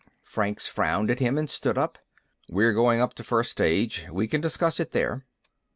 Franks frowned at him and stood up. "We're going up to first stage. We can discuss it there."